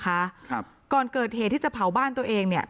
ครับก่อนเกิดเหตุที่จะเผาบ้านตัวเองเนี้ย